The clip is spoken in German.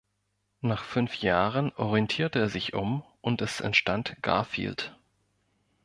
Nach fünf Jahren orientierte er sich um und es entstand Garfield.